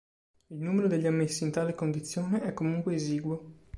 Il numero degli ammessi in tale condizione è comunque esiguo.